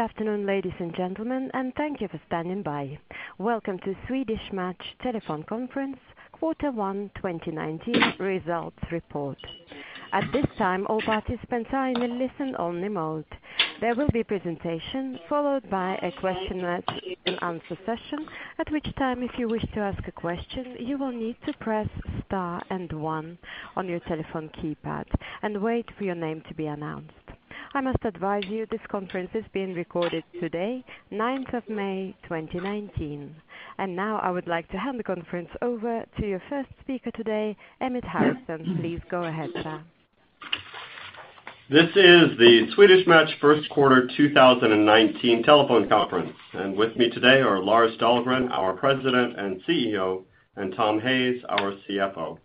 Good afternoon, ladies and gentlemen, and thank you for standing by. Welcome to Swedish Match Telephone Conference Quarter One 2019 Results Report. At this time, all participants are in a listen only mode. There will be presentation followed by a question-and-answer session. At which time, if you wish to ask a question, you will need to press star and one on your telephone keypad and wait for your name to be announced. I must advise you this conference is being recorded today, 9th of May 2019. Now, I would like to hand the conference over to your first speaker today, Emmett Harrison. Please go ahead, Sir. This is the Swedish Match First Quarter 2019 Telephone Conference. With me today are Lars Dahlgren, our President and CEO, and Tom Hayes, our CFO.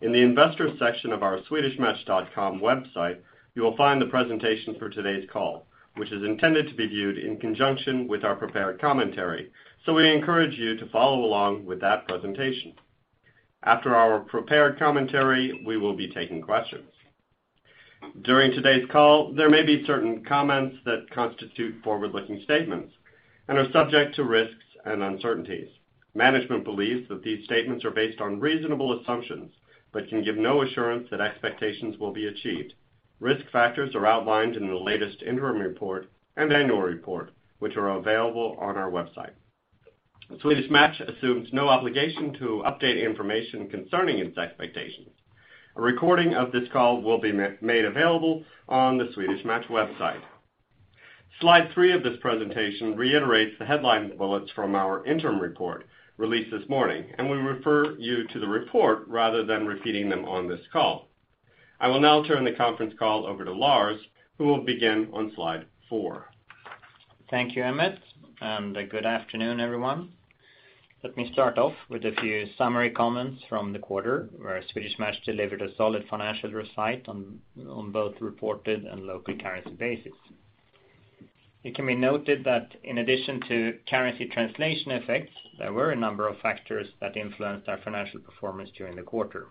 In the investor section of our swedishmatch.com website, you will find the presentation for today's call, which is intended to be viewed in conjunction with our prepared commentary. We encourage you to follow along with that presentation. After our prepared commentary, we will be taking questions. During today's call, there may be certain comments that constitute forward-looking statements and are subject to risks and uncertainties. Management believes that these statements are based on reasonable assumptions, but can give no assurance that expectations will be achieved. Risk factors are outlined in the latest interim report and annual report, which are available on our website. Swedish Match assumes no obligation to update information concerning its expectations. A recording of this call will be made available on the Swedish Match website. Slide three of this presentation reiterates the headline bullets from our interim report released this morning, and we refer you to the report rather than repeating them on this call. I will now turn the conference call over to Lars, who will begin on slide four. Thank you, Emmett, and good afternoon, everyone. Let me start off with a few summary comments from the quarter, where Swedish Match delivered a solid financial result on both reported and local currency basis. It can be noted that in addition to currency translation effects, there were a number of factors that influenced our financial performance during the quarter.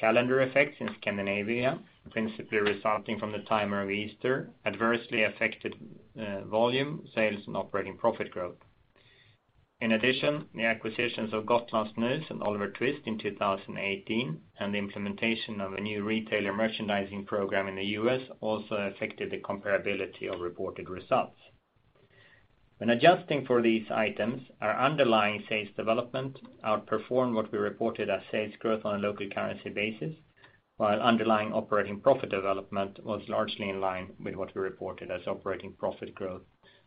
Calendar effects in Scandinavia, principally resulting from the timing of Easter, adversely affected volume, sales and operating profit growth. In addition, the acquisitions of Gotlandssnus and Oliver Twist in 2018 and the implementation of a new retailer merchandising program in the U.S. also affected the comparability of reported results. When adjusting for these items, our underlying sales development outperformed what we reported as sales growth on a local currency basis, while underlying operating profit development was largely in line with what we reported as operating profit growth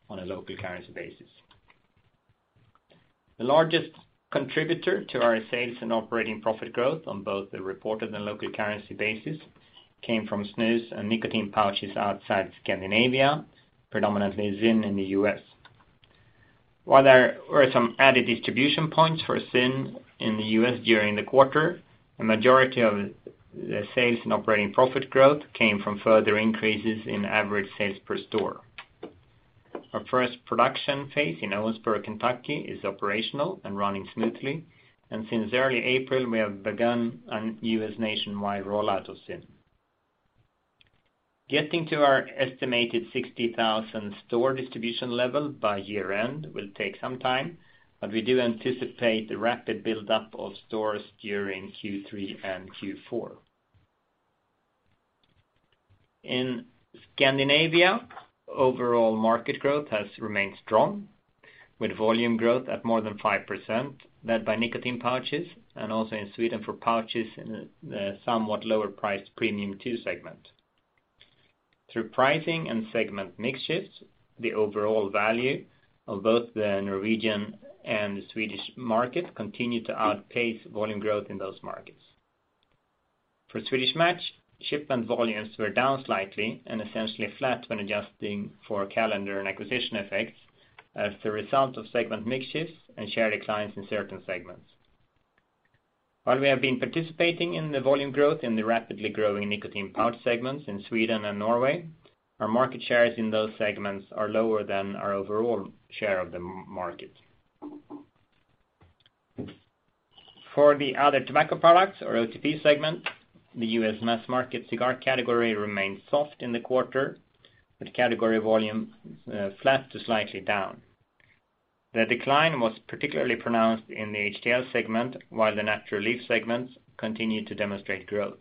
on a local currency basis. The largest contributor to our sales and operating profit growth on both the reported and local currency basis came from snus and nicotine pouches outside Scandinavia, predominantly ZYN in the U.S. While there were some added distribution points for ZYN in the U.S. during the quarter, a majority of the sales and operating profit growth came from further increases in average sales per store. Our first production phase in Owensboro, Kentucky, is operational and running smoothly. Since early April, we have begun a U.S. nationwide rollout of ZYN. Getting to our estimated 60,000 store distribution level by year-end will take some time. We do anticipate a rapid buildup of stores during Q3 and Q4. In Scandinavia, overall market growth has remained strong, with volume growth at more than 5%, led by nicotine pouches and also in Sweden for pouches in a somewhat lower priced premium two segment. Through pricing and segment mix shifts, the overall value of both the Norwegian and the Swedish markets continue to outpace volume growth in those markets. For Swedish Match, shipment volumes were down slightly and essentially flat when adjusting for calendar and acquisition effects as a result of segment mix shifts and share declines in certain segments. While we have been participating in the volume growth in the rapidly growing nicotine pouch segments in Sweden and Norway, our market shares in those segments are lower than our overall share of the market. For the Other Tobacco Products or OTP segment, the U.S. mass market cigar category remained soft in the quarter, with category volume flat to slightly down. The decline was particularly pronounced in the HTL segment, while the natural leaf segments continued to demonstrate growth.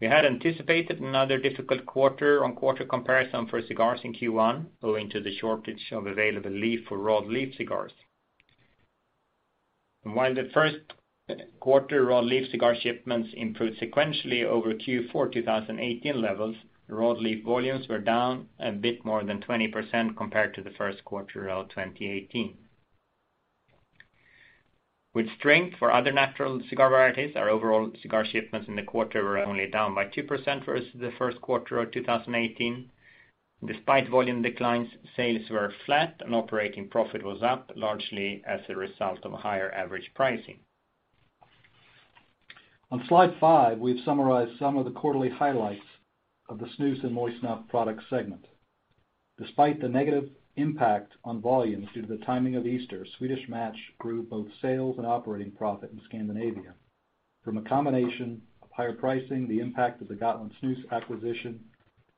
We had anticipated another difficult quarter-on-quarter comparison for cigars in Q1 owing to the shortage of available leaf for raw leaf cigars. While the first quarter raw leaf cigar shipments improved sequentially over Q4 2018 levels, raw leaf volumes were down a bit more than 20% compared to the first quarter of 2018. With strength for other natural cigar varieties, our overall cigar shipments in the quarter were only down by 2% versus the first quarter of 2018. Despite volume declines, sales were flat and operating profit was up, largely as a result of higher average pricing. On slide five, we've summarized some of the quarterly highlights of the snus and moist snuff product segment. Despite the negative impact on volumes due to the timing of Easter, Swedish Match grew both sales and operating profit in Scandinavia. From a combination of higher pricing, the impact of the Gotlandssnus acquisition,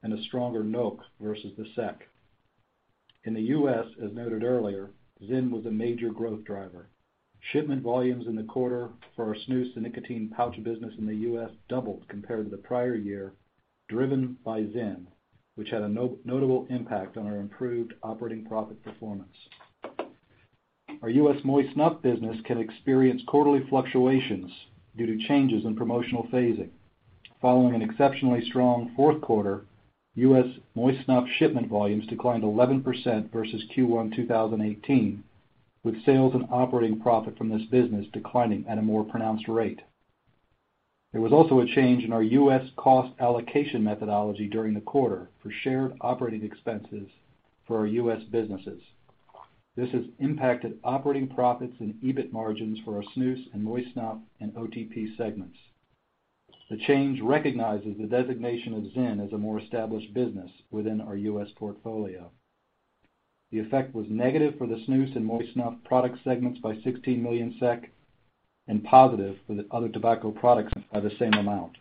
and a stronger NOK versus the SEK. In the U.S., as noted earlier, ZYN was a major growth driver. Shipment volumes in the quarter for our snus and nicotine pouch business in the U.S. doubled compared to the prior year, driven by ZYN, which had a notable impact on our improved operating profit performance. Our U.S. moist snuff business can experience quarterly fluctuations due to changes in promotional phasing. Following an exceptionally strong fourth quarter, U.S. moist snuff shipment volumes declined 11% versus Q1 2018, with sales and operating profit from this business declining at a more pronounced rate. There was also a change in our U.S. cost allocation methodology during the quarter for shared operating expenses for our U.S. businesses. This has impacted operating profits and EBIT margins for our snus and moist snuff and OTP segments. The change recognizes the designation of ZYN as a more established business within our U.S. portfolio. The effect was negative for the snus and moist snuff product segments by 16 million SEK, and positive for the other tobacco products by the same amount.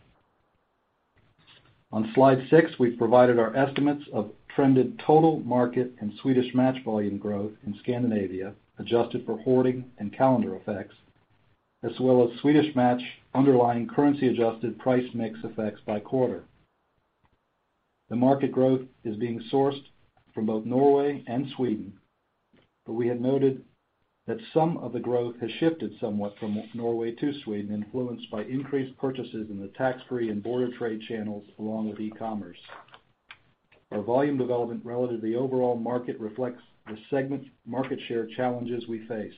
On slide six, we've provided our estimates of trended total market and Swedish Match volume growth in Scandinavia, adjusted for hoarding and calendar effects, as well as Swedish Match underlying currency-adjusted price mix effects by quarter. The market growth is being sourced from both Norway and Sweden. We have noted that some of the growth has shifted somewhat from Norway to Sweden, influenced by increased purchases in the tax-free and border trade channels along with e-commerce. Our volume development relative to the overall market reflects the segment market share challenges we face.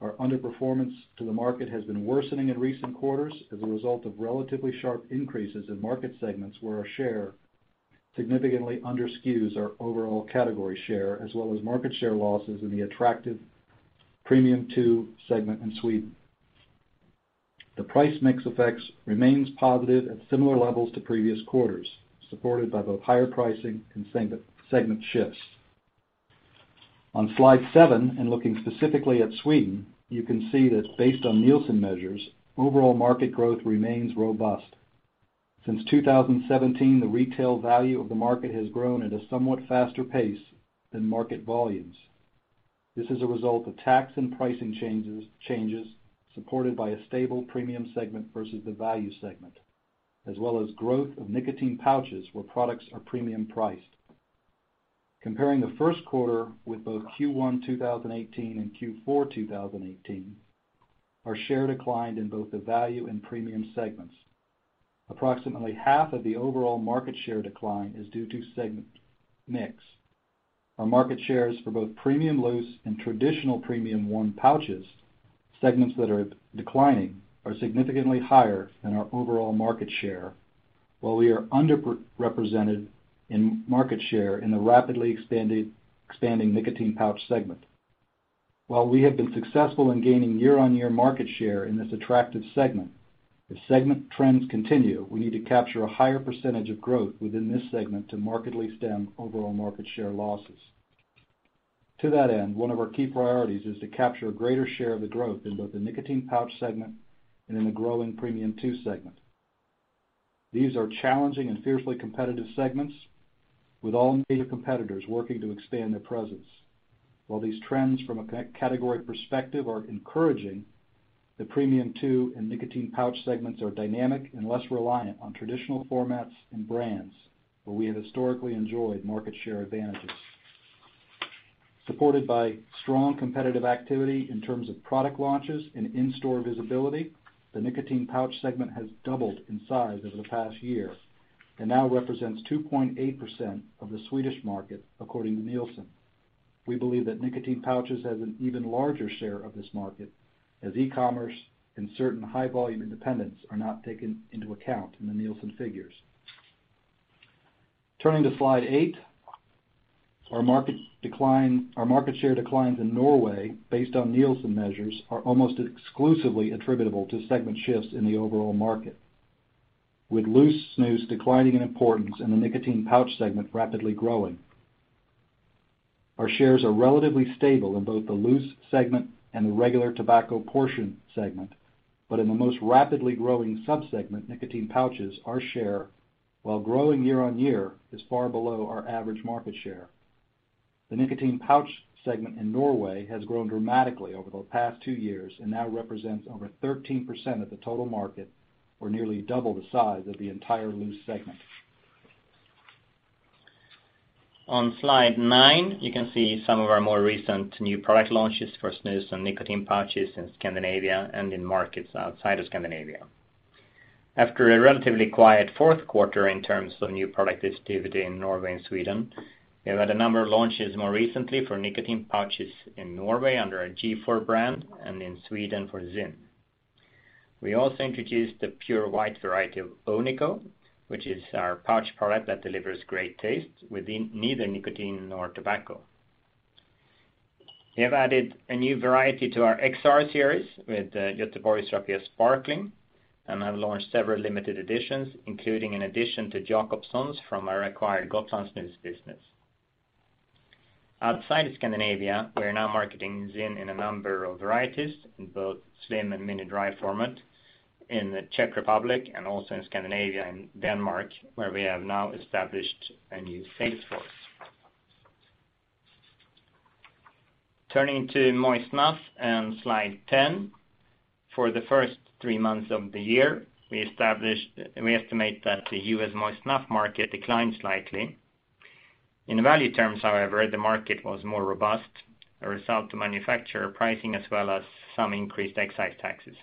Our underperformance to the market has been worsening in recent quarters as a result of relatively sharp increases in market segments where our share significantly underskews our overall category share, as well as market share losses in the attractive premium two segment in Sweden. The price mix effects remains positive at similar levels to previous quarters, supported by both higher pricing and segment shifts. On slide seven, looking specifically at Sweden, you can see that based on Nielsen measures, overall market growth remains robust. Since 2017, the retail value of the market has grown at a somewhat faster pace than market volumes. This is a result of tax and pricing changes supported by a stable premium segment versus the value segment, as well as growth of nicotine pouches where products are premium priced. Comparing the first quarter with both Q1 2018 and Q4 2018, our share declined in both the value and premium segments. Approximately half of the overall market share decline is due to segment mix. Our market shares for both premium loose and traditional premium one pouches, segments that are declining, are significantly higher than our overall market share, while we are underrepresented in market share in the rapidly expanding nicotine pouch segment. While we have been successful in gaining year-on-year market share in this attractive segment, if segment trends continue, we need to capture a higher percentage of growth within this segment to markedly stem overall market share losses. To that end, one of our key priorities is to capture a greater share of the growth in both the nicotine pouch segment and in the growing premium two segment. These are challenging and fiercely competitive segments with all major competitors working to expand their presence. While these trends from a category perspective are encouraging, the premium two and nicotine pouch segments are dynamic and less reliant on traditional formats and brands where we have historically enjoyed market share advantages. Supported by strong competitive activity in terms of product launches and in-store visibility, the nicotine pouch segment has doubled in size over the past year and now represents 2.8% of the Swedish market according to Nielsen. We believe that nicotine pouches has an even larger share of this market, as e-commerce and certain high-volume independents are not taken into account in the Nielsen figures. Turning to slide eight, our market share declines in Norway, based on Nielsen measures, are almost exclusively attributable to segment shifts in the overall market, with loose snus declining in importance and the nicotine pouch segment rapidly growing. Our shares are relatively stable in both the loose segment and the regular tobacco portion segment. In the most rapidly growing subsegment, nicotine pouches, our share, while growing year-on-year, is far below our average market share. The nicotine pouch segment in Norway has grown dramatically over the past two years and now represents over 13% of the total market or nearly double the size of the entire loose segment. On slide nine, you can see some of our more recent new product launches for snus and nicotine pouches in Scandinavia and in markets outside of Scandinavia. After a relatively quiet fourth quarter in terms of new product activity in Norway and Sweden, we have had a number of launches more recently for nicotine pouches in Norway under our G.4 brand and in Sweden for ZYN. We also introduced the Pure White variety of Onico, which is our pouch product that delivers great taste with neither nicotine nor tobacco. We have added a new variety to our XR series with Göteborgs Rapé Sparkling, and have launched several limited editions, including an addition to Jakobsson's from our acquired Gotlandssnus business. Outside of Scandinavia, we're now marketing ZYN in a number of varieties in both slim and mini dry format in the Czech Republic and also in Scandinavia and Denmark, where we have now established a new sales force. Turning to moist snuff in slide 10, for the first three months of the year, we estimate that the U.S. moist snuff market declined slightly. In the value terms, however, the market was more robust, a result to manufacturer pricing as well as some increased excise taxes.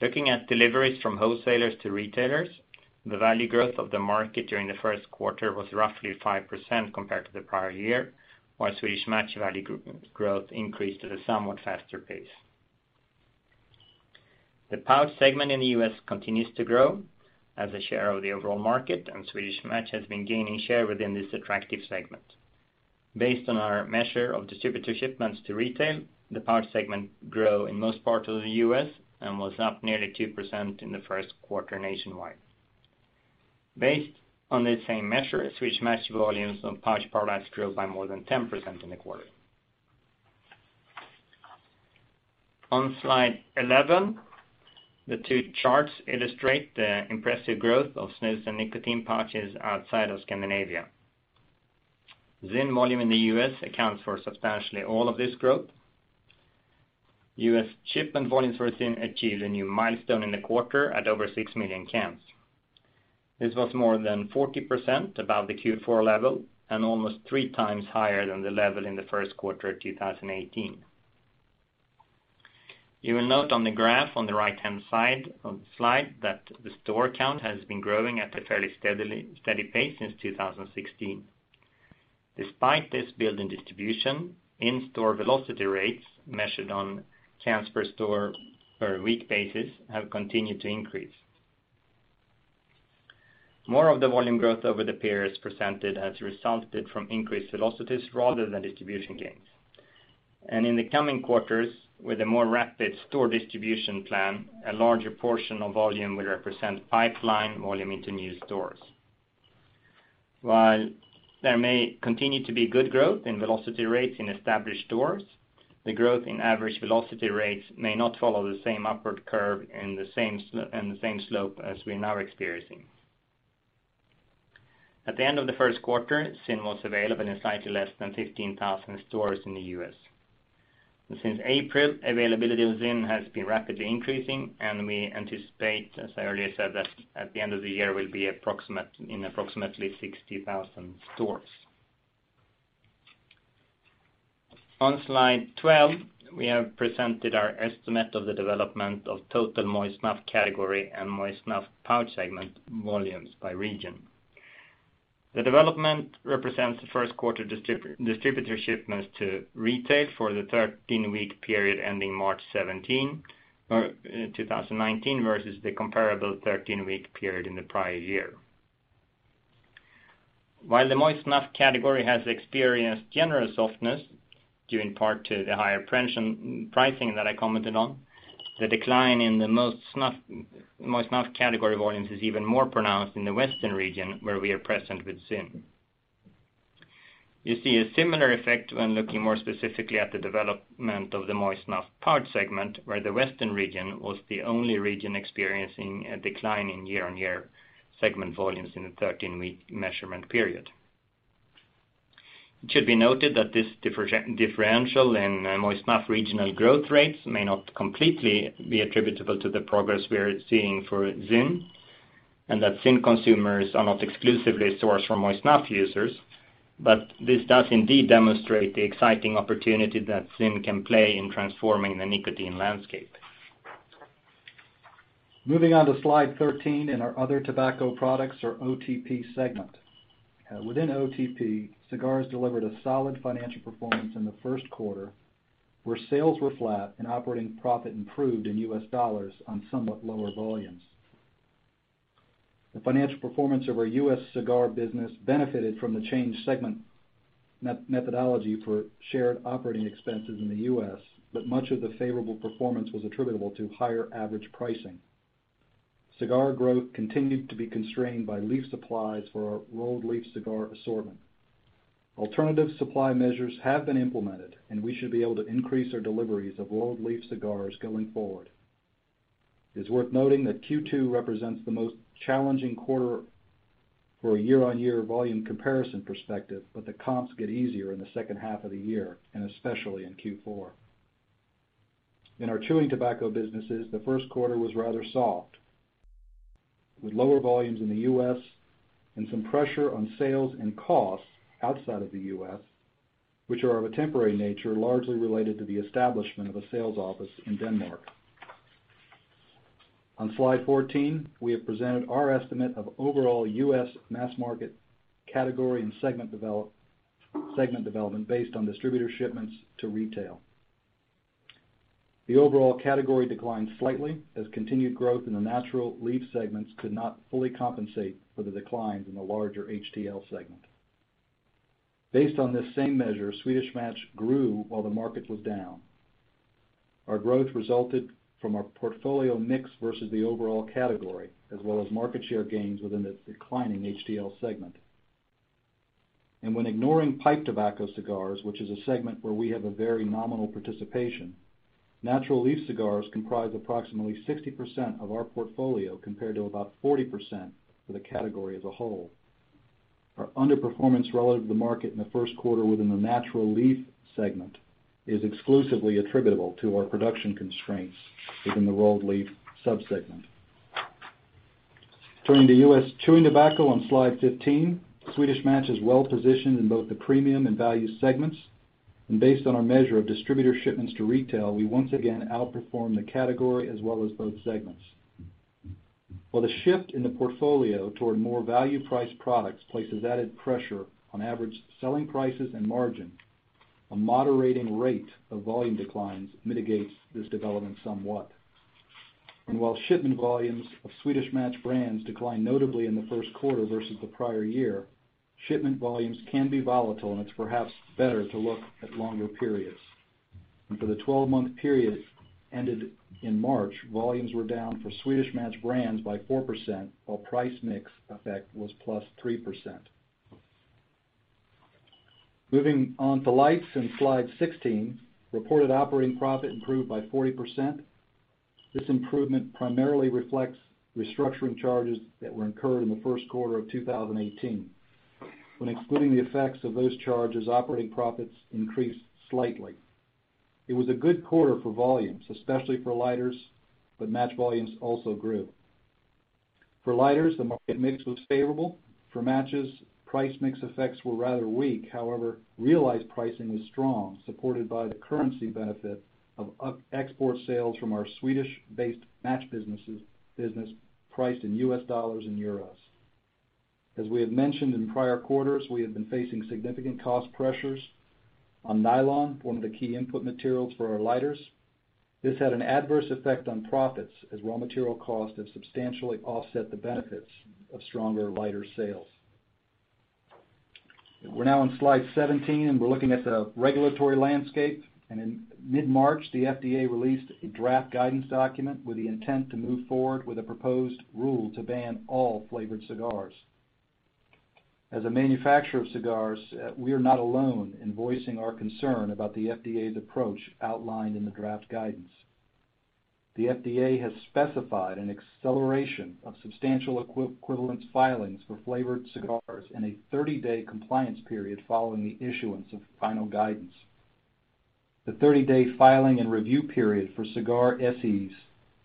Looking at deliveries from wholesalers to retailers, the value growth of the market during the first quarter was roughly 5% compared to the prior year, while Swedish Match value growth increased at a somewhat faster pace. The pouch segment in the U.S. continues to grow as a share of the overall market, and Swedish Match has been gaining share within this attractive segment. Based on our measure of distributor shipments to retail, the pouch segment grew in most parts of the U.S. and was up nearly 2% in the first quarter nationwide. Based on the same measure, Swedish Match volumes on pouch products grew by more than 10% in the quarter. On slide 11, the two charts illustrate the impressive growth of snus and nicotine pouches outside of Scandinavia. ZYN volume in the U.S. accounts for substantially all of this growth. U.S. shipment volumes for ZYN achieved a new milestone in the quarter at over 6 million cans. This was more than 40% above the Q4 level and almost 3x higher than the level in the first quarter of 2018. You will note on the graph on the right-hand side of the slide that the store count has been growing at a fairly steady pace since 2016. Despite this build in distribution, in-store velocity rates measured on cans per store per week basis have continued to increase. More of the volume growth over the period presented has resulted from increased velocities rather than distribution gains. In the coming quarters, with a more rapid store distribution plan, a larger portion of volume will represent pipeline volume into new stores. While there may continue to be good growth in velocity rates in established stores, the growth in average velocity rates may not follow the same upward curve in the same slope as we are now experiencing. At the end of the first quarter, ZYN was available in slightly less than 15,000 stores in the U.S. Since April, availability of ZYN has been rapidly increasing, and we anticipate, as I earlier said, that at the end of the year will be in approximately 60,000 stores. On slide 12, we have presented our estimate of the development of total moist snuff category and moist snuff pouch segment volumes by region. The development represents the first quarter distributor shipments to retail for the 13-week period ending March 17th, 2019 versus the comparable 13-week period in the prior year. While the moist snuff category has experienced general softness, due in part to the higher pricing that I commented on, the decline in the moist snuff category volumes is even more pronounced in the Western region where we are present with ZYN. You see a similar effect when looking more specifically at the development of the moist snuff pouch segment, where the Western region was the only region experiencing a decline in year-on-year segment volumes in the 13-week measurement period. It should be noted that this differential in moist snuff regional growth rates may not completely be attributable to the progress we are seeing for ZYN, and that ZYN consumers are not exclusively sourced from moist snuff users, but this does indeed demonstrate the exciting opportunity that ZYN can play in transforming the nicotine landscape. Moving on to slide 13 in our other tobacco products or OTP segment. Within OTP, cigars delivered a solid financial performance in the 1st quarter where sales were flat and operating profit improved in U.S. dollars on somewhat lower volumes. The financial performance of our U.S. cigar business benefited from the changed segment methodology for shared operating expenses in the U.S., but much of the favorable performance was attributable to higher average pricing. Cigar growth continued to be constrained by leaf supplies for our rolled leaf cigar assortment. Alternative supply measures have been implemented, and we should be able to increase our deliveries of rolled leaf cigars going forward. It's worth noting that Q2 represents the most challenging quarter for a year-on-year volume comparison perspective, but the comps get easier in the second half of the year and especially in Q4. In our chewing tobacco businesses, the first quarter was rather soft, with lower volumes in the U.S. and some pressure on sales and costs outside of the U.S., which are of a temporary nature, largely related to the establishment of a sales office in Denmark. On slide 14, we have presented our estimate of overall U.S. mass market category and segment development based on distributor shipments to retail. The overall category declined slightly as continued growth in the natural leaf segments could not fully compensate for the declines in the larger HTL segment. Based on this same measure, Swedish Match grew while the market was down. Our growth resulted from our portfolio mix versus the overall category, as well as market share gains within the declining HTL segment. When ignoring pipe tobacco cigars, which is a segment where we have a very nominal participation, natural leaf cigars comprise approximately 60% of our portfolio compared to about 40% for the category as a whole. Our underperformance relative to the market in the first quarter within the natural leaf segment is exclusively attributable to our production constraints within the rolled leaf sub-segment. Turning to U.S. chewing tobacco on slide 15, Swedish Match is well-positioned in both the premium and value segments. Based on our measure of distributor shipments to retail, we once again outperformed the category as well as both segments. While the shift in the portfolio toward more value-priced products places added pressure on average selling prices and margin, a moderating rate of volume declines mitigates this development somewhat. While shipment volumes of Swedish Match brands declined notably in the first quarter versus the prior year, shipment volumes can be volatile, and it's perhaps better to look at longer periods. For the 12-month period ended in March, volumes were down for Swedish Match brands by 4%, while price mix effect was +3%. Moving on to Lights in slide 16, reported operating profit improved by 40%. This improvement primarily reflects restructuring charges that were incurred in the first quarter of 2018. When excluding the effects of those charges, operating profits increased slightly. It was a good quarter for volumes, especially for lighters, but match volumes also grew. For lighters, the market mix was favorable. For matches, price mix effects were rather weak. However, realized pricing was strong, supported by the currency benefit of export sales from our Swedish-based match business priced in U.S. dollars and euros. As we have mentioned in prior quarters, we have been facing significant cost pressures on nylon, one of the key input materials for our lighters. This had an adverse effect on profits as raw material costs have substantially offset the benefits of stronger lighter sales. We're now on slide 17, we're looking at the regulatory landscape. In mid-March, the FDA released a draft guidance document with the intent to move forward with a proposed rule to ban all flavored cigars. As a manufacturer of cigars, we are not alone in voicing our concern about the FDA's approach outlined in the draft guidance. The FDA has specified an acceleration of substantial equivalence filings for flavored cigars and a 30-day compliance period following the issuance of final guidance. The 30-day filing and review period for cigar SEs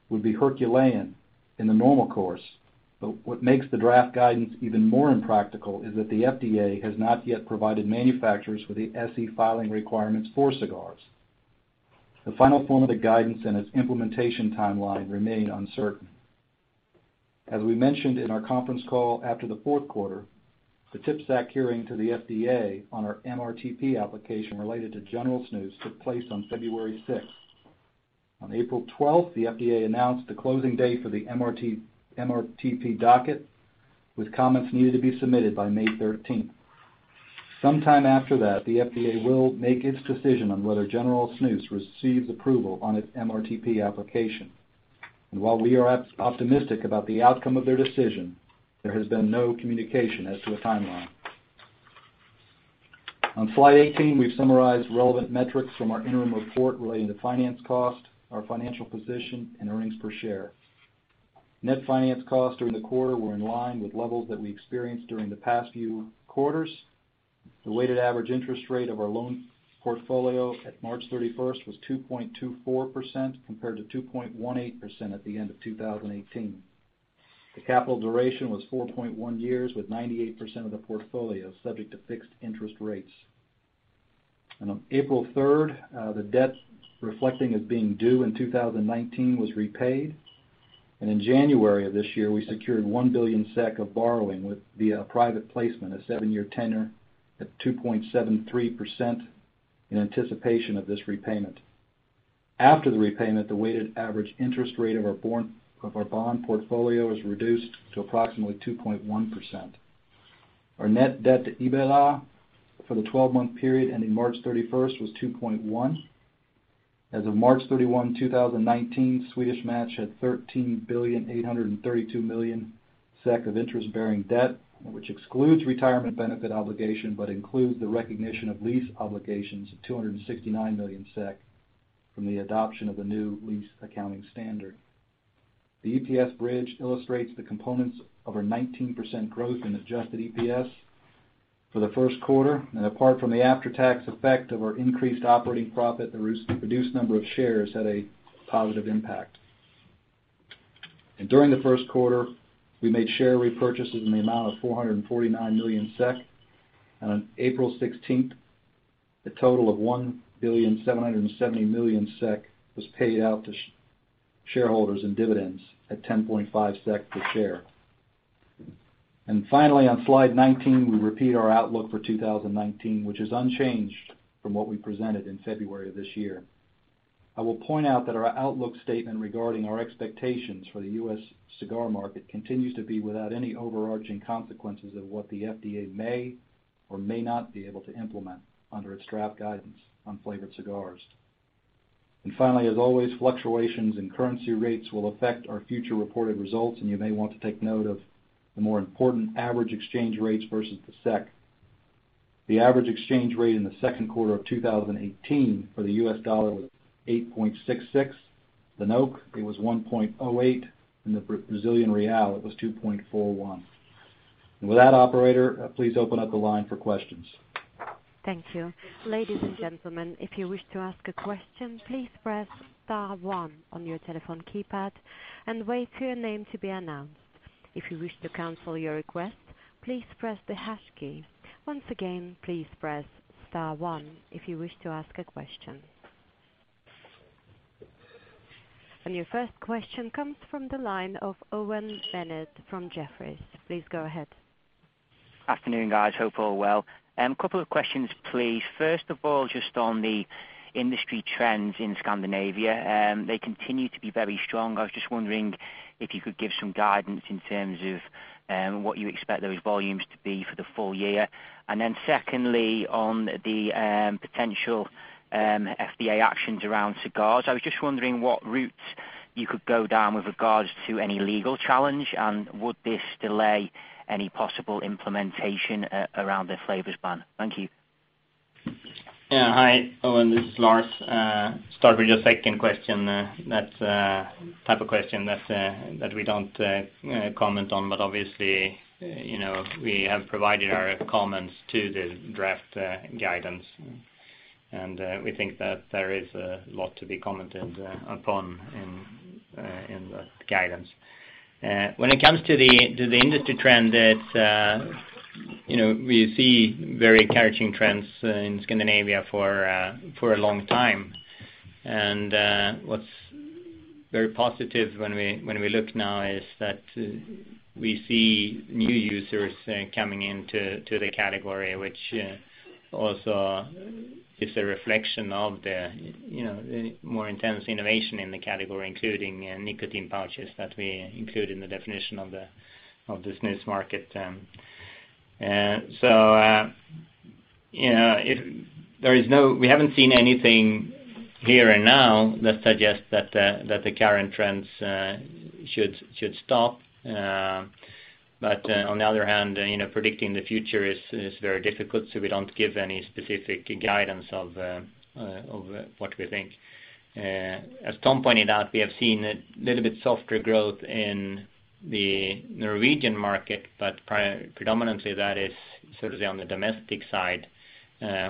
would be Herculean in the normal course. But what makes the draft guidance even more impractical is that the FDA has not yet provided manufacturers with the SE filing requirements for cigars. The final form of the guidance and its implementation timeline remain uncertain. As we mentioned in our conference call after the fourth quarter, the TPSAC hearing to the FDA on our MRTP application related to General Snus took place on February 6th. On April 12th, the FDA announced the closing date for the MRTP docket with comments needed to be submitted by May 13th. Sometime after that, the FDA will make its decision on whether General Snus receives approval on its MRTP application. While we are optimistic about the outcome of their decision, there has been no communication as to a timeline. On slide 18, we've summarized relevant metrics from our interim report relating to finance cost, our financial position, and earnings per share. Net finance costs during the quarter were in line with levels that we experienced during the past few quarters. The weighted average interest rate of our loan portfolio at March 31st was 2.24% compared to 2.18% at the end of 2018. The capital duration was 4.1 years with 98% of the portfolio subject to fixed interest rates. On April 3rd, the debt reflecting as being due in 2019 was repaid. In January of this year, we secured 1 billion SEK of borrowing via private placement, a seven-year tenure at 2.73% in anticipation of this repayment. After the repayment, the weighted average interest rate of our bond portfolio was reduced to approximately 2.1%. Our net debt to EBITDA for the 12-month period ending March 31st was 2.1. As of March 31, 2019, Swedish Match had 13.832 billion SEK of interest-bearing debt, which excludes retirement benefit obligation, but includes the recognition of lease obligations of 269 million SEK from the adoption of the new lease accounting standard. The EPS bridge illustrates the components of our 19% growth in adjusted EPS for the first quarter. Apart from the after-tax effect of our increased operating profit, the reduced number of shares had a positive impact. During the first quarter, we made share repurchases in the amount of 449 million SEK. On April 16th, a total of 1.77 billion was paid out to shareholders in dividends at 10.5 SEK per share. Finally, on slide 19, we repeat our outlook for 2019, which is unchanged from what we presented in February of this year. I will point out that our outlook statement regarding our expectations for the U.S. cigar market continues to be without any overarching consequences of what the FDA may or may not be able to implement under its draft guidance on flavored cigars. Finally, as always, fluctuations in currency rates will affect our future reported results, and you may want to take note of the more important average exchange rates versus the SEK. The average exchange rate in the second quarter of 2018 for the U.S. dollar was 8.66. The NOK, it was 1.08, and the Brazilian real it was 2.41. With that operator, please open up the line for questions. Thank you. Ladies and gentlemen, if you wish to ask a question, please press star one on your telephone keypad and wait for your name to be announced. If you wish to cancel your request, please press the hash key. Once again please press star one if you wish to ask a question. Your first question comes from the line of Owen Bennett from Jefferies. Please go ahead. Afternoon, guys. Hope all well. Couple of questions, please. First of all, just on the industry trends in Scandinavia, they continue to be very strong. I was just wondering if you could give some guidance in terms of what you expect those volumes to be for the full year. Secondly, on the potential FDA actions around cigars. I was just wondering what routes you could go down with regards to any legal challenge, and would this delay any possible implementation around the flavors ban? Thank you. Yeah. Hi, Owen. This is Lars. Start with your second question. That's a type of question that we don't comment on. Obviously, you know, we have provided our comments to the draft guidance. We think that there is a lot to be commented upon in the guidance. When it comes to the, to the industry trend that, you know, we see very encouraging trends in Scandinavia for a long time. What's very positive when we, when we look now is that we see new users coming into, to the category, which also is a reflection of the, you know, more intense innovation in the category, including nicotine pouches that we include in the definition of the, of the snus market. You know, we haven't seen anything here and now that suggests that the current trends should stop. On the other hand, you know, predicting the future is very difficult, so we don't give any specific guidance of what we think. As Tom pointed out, we have seen a little bit softer growth in the Norwegian market, but predominantly, that is sort of on the domestic side,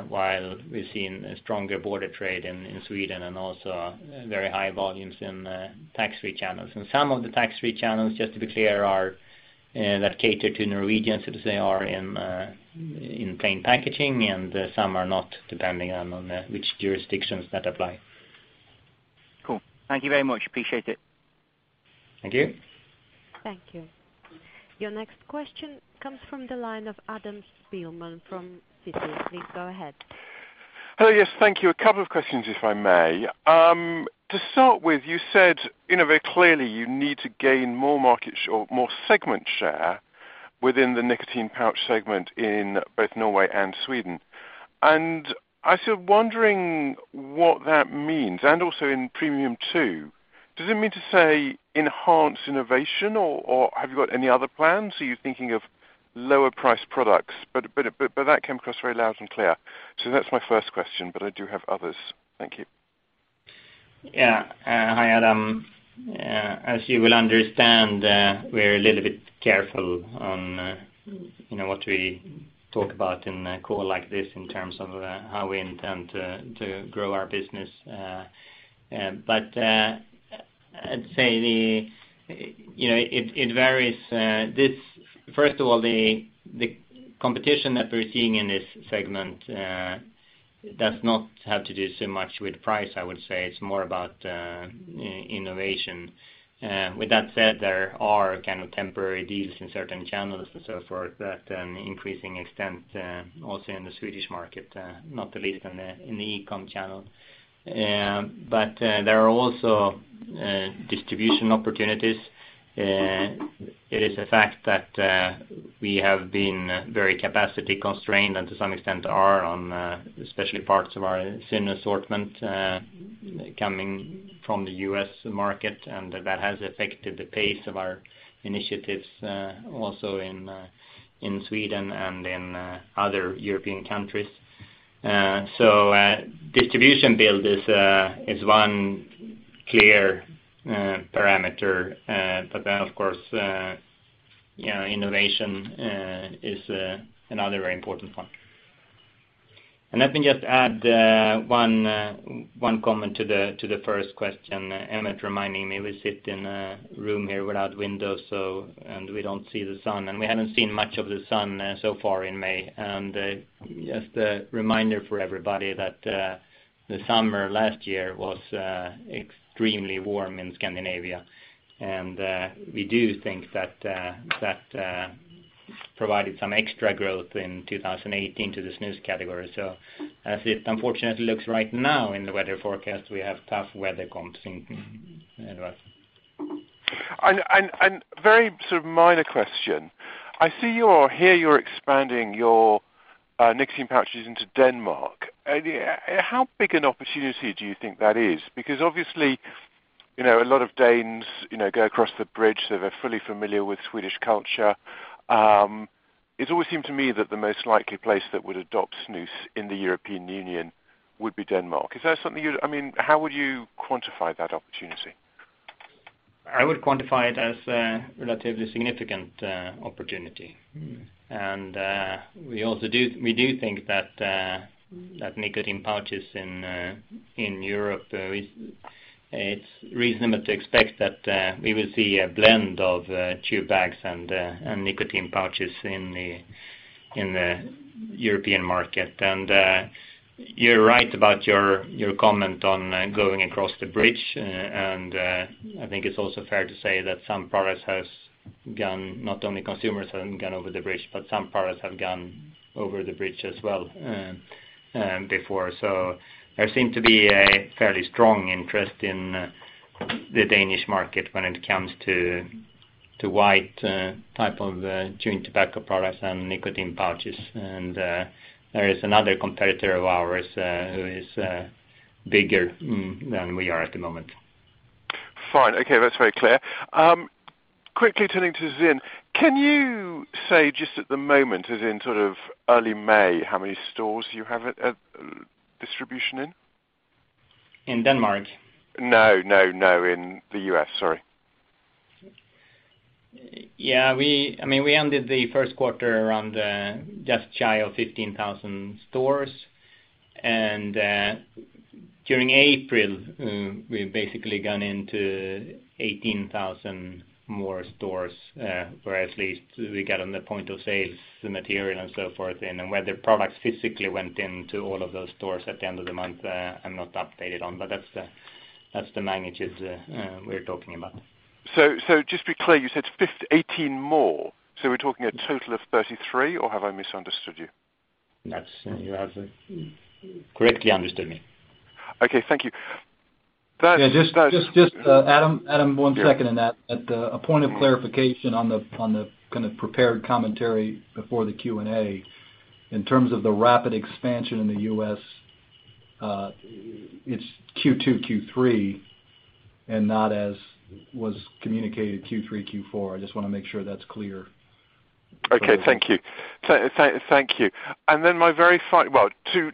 while we've seen stronger border trade in Sweden and also very high volumes in tax-free channels. Some of the tax-free channels, just to be clear, are that cater to Norwegians, as they are in plain packaging, and some are not, depending on which jurisdictions that apply. Cool. Thank you very much. Appreciate it. Thank you. Thank you. Your next question comes from the line of Adam Spielman from Citi. Please go ahead. Hello. Yes, thank you. A couple of questions, if I may. To start with, you said, you know, very clearly you need to gain more market or more segment share within the nicotine pouch segment in both Norway and Sweden. I was sort of wondering what that means, and also in premium two. Does it mean to say enhance innovation or have you got any other plans? Are you thinking of lower priced products? That came across very loud and clear. That's my first question, but I do have others. Thank you. Yeah. Hi, Adam. As you will understand, we're a little bit careful on, you know, what we talk about in a call like this in terms of how we intend to grow our business. I'd say, you know, it varies. First of all, the competition that we're seeing in this segment does not have to do so much with price, I would say. It's more about innovation. With that said, there are kind of temporary deals in certain channels and so forth that, increasing extent, also in the Swedish market, not the least in the e-com channel. There are also distribution opportunities. It is a fact that we have been very capacity constrained and to some extent are on, especially parts of our ZYN assortment, coming from the U.S. market, and that has affected the pace of our initiatives, also in Sweden and in other European countries. Distribution build is one clear parameter. Of course, you know, innovation is another very important one. Let me just add one comment to the first question. Emmett reminding me we sit in a room here without windows, so, and we don't see the sun, and we haven't seen much of the sun so far in May. Just a reminder for everybody that the summer last year was extremely warm in Scandinavia. We do think that that provided some extra growth in 2018 to the snus category. As it unfortunately looks right now in the weather forecast, we have tough weather comps in Scandinavia. Very sort of minor question. I hear you're expanding your nicotine pouches into Denmark. How big an opportunity do you think that is? Obviously, you know, a lot of Danes, you know, go across the bridge, so they're fully familiar with Swedish culture. It always seemed to me that the most likely place that would adopt snus in the European Union would be Denmark. I mean, how would you quantify that opportunity? I would quantify it as a relatively significant opportunity. We do think that nicotine pouches in Europe, it's reasonable to expect that we will see a blend of chew bags and nicotine pouches in the European market. You're right about your comment on going across the bridge. I think it's also fair to say that some products has gone, not only consumers have gone over the bridge, but some products have gone over the bridge as well before. There seem to be a fairly strong interest in the Danish market when it comes to white type of chewing tobacco products and nicotine pouches. There is another competitor of ours who is bigger than we are at the moment. Fine. Okay, that's very clear. Quickly turning to ZYN. Can you say just at the moment, as in sort of early May, how many stores you have a distribution in? In Denmark? No, no, in the U.S. Sorry. Yeah, we I mean, we ended the first quarter around just shy of 15,000 stores. During April, we've basically gone into 18,000 more stores where at least we got on the point of sales, the material and so forth. When the products physically went into all of those stores at the end of the month, I'm not updated on, but that's the magnitudes we're talking about. Just be clear, you said 18,000 more, so we're talking a total of 33,000, or have I misunderstood you? That's, you have, correctly understood me. Okay, thank you. Yeah, just, Adam, one second on that. Yeah. At the point of clarification on the kind of prepared commentary before the Q&A. In terms of the rapid expansion in the U.S., it's Q2, Q3, not as was communicated, Q3, Q4. I just wanna make sure that's clear. Okay, thank you. Thank you. Well, two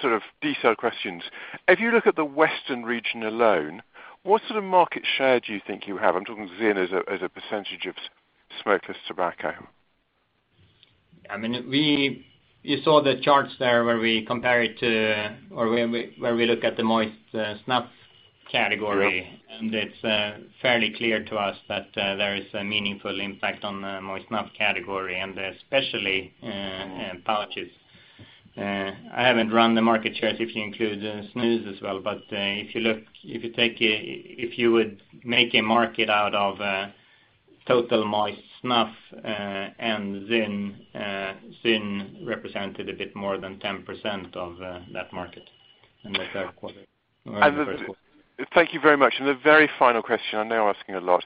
sort of detailed questions. If you look at the Western region alone, what sort of market share do you think you have? I'm talking ZYN as a percentage of smokeless tobacco. I mean, you saw the charts there where we compare it to, or where we look at the moist snuff category. Yeah. It's fairly clear to us that there is a meaningful impact on the moist snuff category and especially pouches. I haven't run the market shares if you include the snus as well. If you would make a market out of total moist snuff and ZYN represented a bit more than 10% of that market in the third quarter or in the first quarter. Thank you very much. The very final question, I know I'm asking a lot.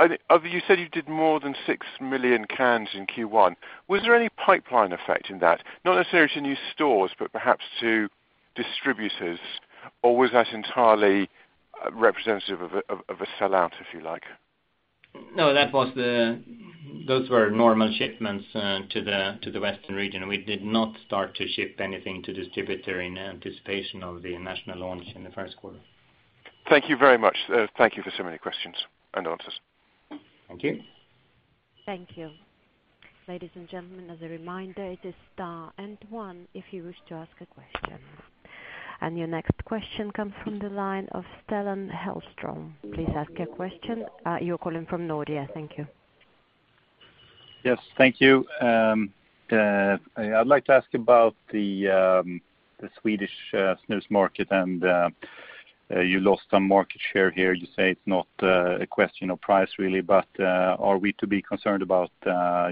You said you did more than 6 million cans in Q1. Was there any pipeline effect in that? Not necessarily to new stores, but perhaps to distributors? Or was that entirely representative of a sellout, if you like? No, those were normal shipments to the Western region. We did not start to ship anything to distributor in anticipation of the national launch in the first quarter. Thank you very much. Thank you for so many questions and answers. Thank you. Thank you. Ladies and gentlemen, as a reminder, it is star one if you wish to ask a question. Your next question comes from the line of Stellan Hellström. Please ask your question. You're calling from Nordea. Thank you. Yes. Thank you. I'd like to ask about the Swedish snus market and you lost some market share here. You say it's not a question of price really, but are we to be concerned about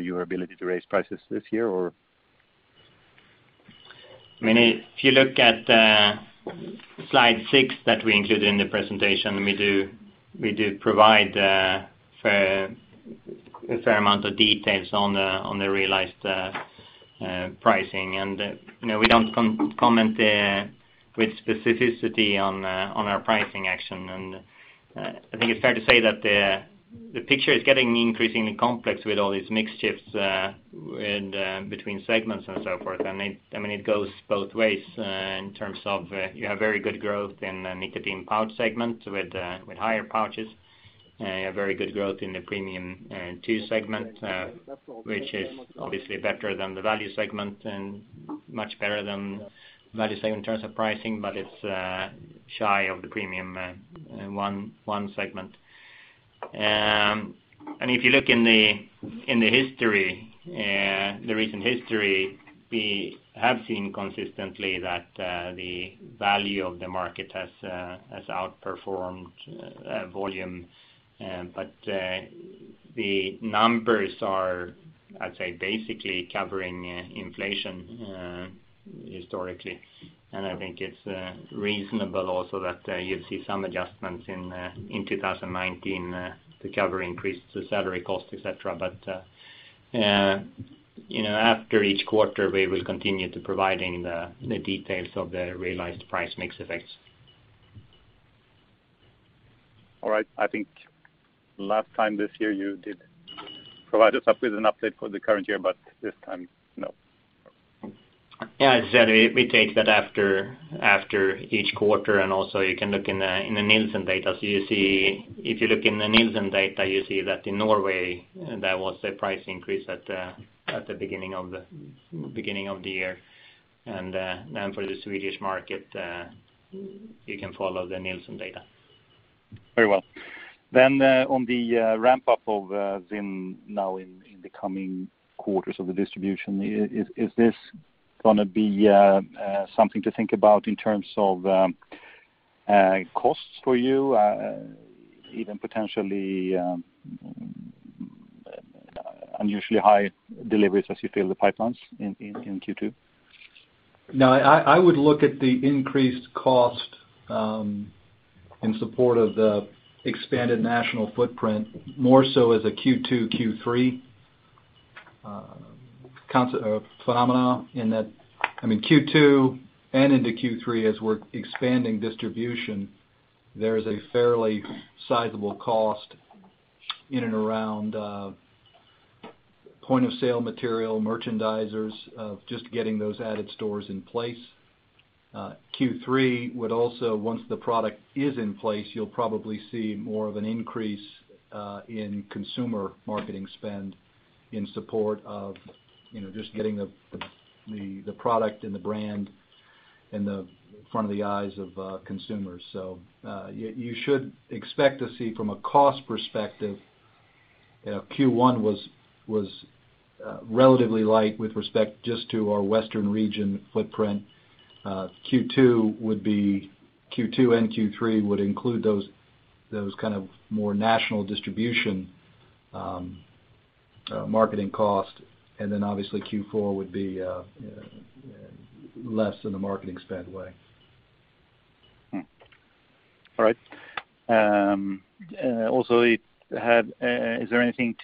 your ability to raise prices this year, or? I mean, if you look at slide six that we included in the presentation, we do provide a fair amount of details on the realized pricing. You know, we don't comment with specificity on our pricing action. I think it's fair to say that the picture is getting increasingly complex with all these mix shifts and between segments and so forth. It, I mean, it goes both ways in terms of, you have very good growth in the nicotine pouch segment with higher pouches. You have very good growth in the premium two segment, which is obviously better than the value segment and much better than value segment in terms of pricing, but it's shy of the premium one segment. If you look in the, in the history, the recent history, we have seen consistently that the value of the market has outperformed volume. The numbers are, I'd say, basically covering inflation historically. I think it's reasonable also that you'll see some adjustments in 2019 to cover increased salary cost, et cetera. You know, after each quarter, we will continue to providing the details of the realized price mix effects. All right. I think last time this year, you did provide us up with an update for the current year, but this time, no. As I said, we take that after each quarter, also you can look in the Nielsen data. If you look in the Nielsen data, you see that in Norway, there was a price increase at the beginning of the year. For the Swedish market, you can follow the Nielsen data. Very well. On the ramp up of ZYN now in the coming quarters of the distribution, is this gonna be something to think about in terms of costs for you, even potentially unusually high deliveries as you fill the pipelines in Q2? No, I would look at the increased cost in support of the expanded national footprint, more so as a Q2, Q3 phenomena in that, I mean, Q2 and into Q3, as we're expanding distribution, there is a fairly sizable cost in and around point of sale material, merchandisers of just getting those added stores in place. Q3 would also, once the product is in place, you'll probably see more of an increase in consumer marketing spend in support of, you know, just getting the product and the brand in the front of the eyes of consumers. You should expect to see from a cost perspective, Q1 was relatively light with respect just to our Western region footprint. Q2 would be Q2 and Q3 would include those kind of more national distribution, marketing cost. Obviously, Q4 would be less in the marketing spend way. All right. Also it had, is there anything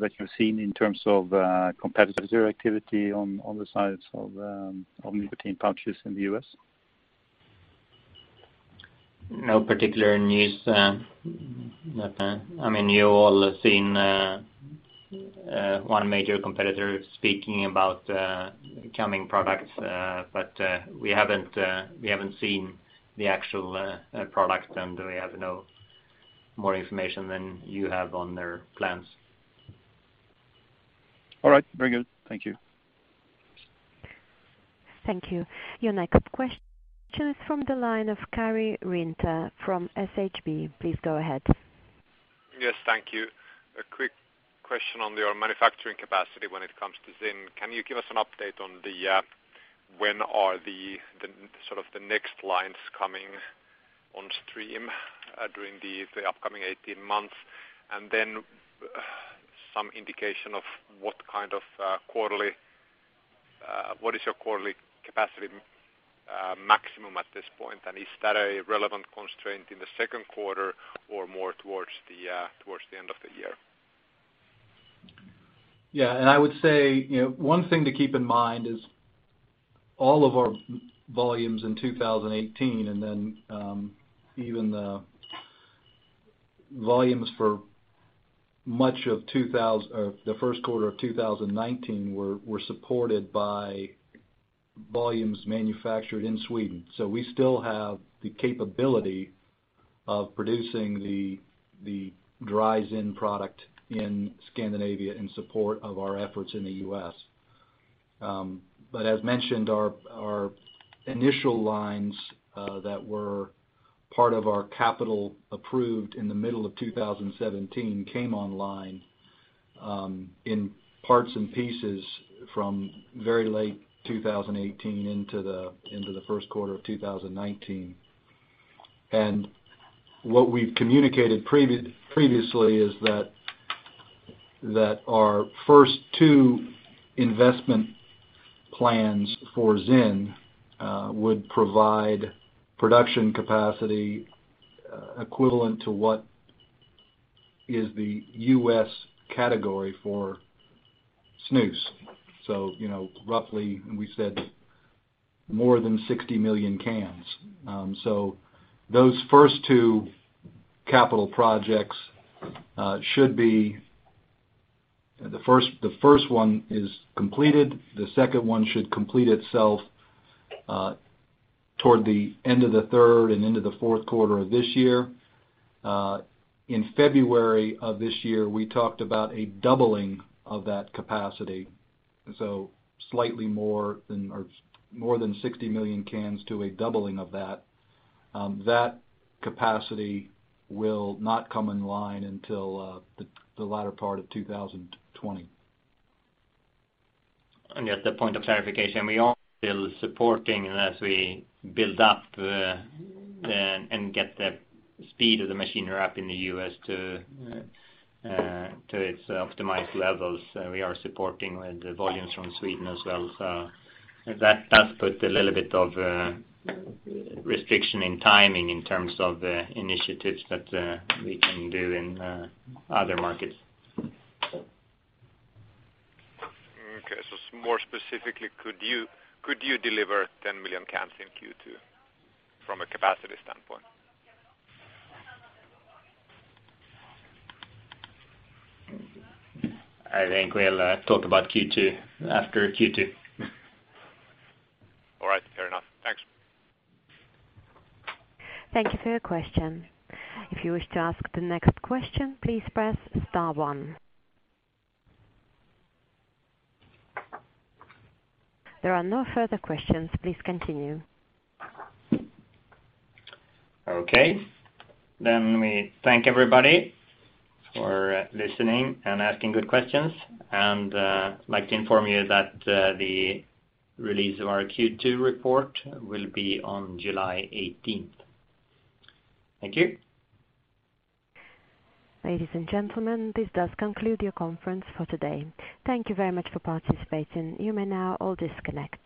that you've seen in terms of competitor activity on the sides of nicotine pouches in the U.S.? No particular news. I mean, you all have seen one major competitor speaking about coming products, but we haven't seen the actual products, and we have no more information than you have on their plans. All right. Very good. Thank you. Thank you. Your next question is from the line of Karri Rinta from SHB. Please go ahead. Yes, thank you. A quick question on your manufacturing capacity when it comes to ZYN. Can you give us an update on the when are the sort of the next lines coming on stream during the upcoming 18 months? Some indication of what kind of quarterly what is your quarterly capacity maximum at this point, and is that a relevant constraint in the second quarter or more towards the end of the year? Yeah. I would say, you know, one thing to keep in mind is all of our volumes in 2018 and then, even the volumes for much of the first quarter of 2019 were supported by volumes manufactured in Sweden. We still have the capability of producing the dry ZYN product in Scandinavia in support of our efforts in the U.S. As mentioned, our initial lines that were part of our capital approved in the middle of 2017 came online in parts and pieces from very late 2018 into the first quarter of 2019. What we've communicated previously is that our first two investment plans for ZYN would provide production capacity equivalent to what is the U.S. category for snus. You know, roughly, we said more than 60 million cans. Those first two capital projects should be the first one is completed. The second one should complete itself toward the end of the third and into the fourth quarter of this year. In February of this year, we talked about a doubling of that capacity, so slightly more than or more than 60 million cans to a doubling of that. That capacity will not come in line until the latter part of 2020. Just a point of clarification, we are still supporting, as we build up, and get the speed of the machinery up in the U.S. to its optimized levels, we are supporting with the volumes from Sweden as well. That does put a little bit of a restriction in timing in terms of the initiatives that we can do in other markets. Okay. More specifically, could you deliver 10 million cans in Q2 from a capacity standpoint? I think we'll talk about Q2 after Q2. All right. Fair enough. Thanks. Thank you for your question. If you wish to ask the next question, please press star one. There are no further questions. Please continue. Okay. We thank everybody for listening and asking good questions. I'd like to inform you that the release of our Q2 report will be on July 18th. Thank you. Ladies and gentlemen, this does conclude your conference for today. Thank you very much for participating. You may now all disconnect.